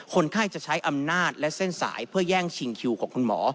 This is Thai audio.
คนไข้จะใช้อำนาจและเส้นสายเพื่อแย่งชิงคิวของคุณหมอ